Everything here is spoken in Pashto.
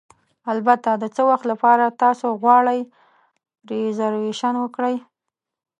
البته، د څه وخت لپاره تاسو غواړئ ریزرویشن وکړئ؟